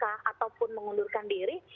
ataupun mengundurkan diri